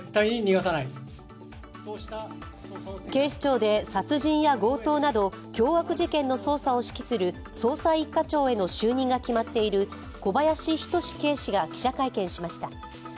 警視庁で殺人や強盗など凶悪事件の捜査を指揮する捜査１課長への就任が決まっている小林仁警視が記者会見しました。